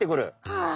はあ